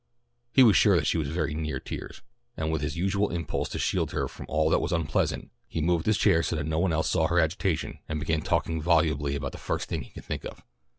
He was sure that she was very near tears, and with his usual impulse to shield her from all that was unpleasant, he moved his chair so that no one else saw her agitation and began talking volubly about the first thing he could think of.